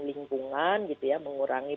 lingkungan gitu ya mengurangi